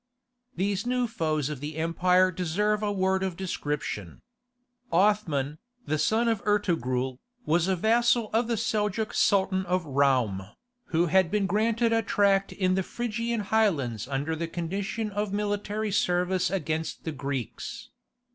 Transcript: These new foes of the empire deserve a word of description. Othman, the son of Ertogrul, was a vassal of the Seljouk Sultan of Roum, who had been granted a tract in the Phrygian highlands under the condition of military service against the Greeks.